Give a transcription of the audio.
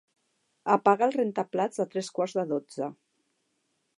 Apaga el rentaplats a tres quarts de dotze.